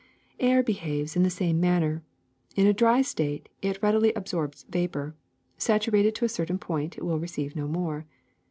Air behaves in the same manner: in a dr}^ state it readily absorbs vapor; saturated to a certain point, it will receive no more.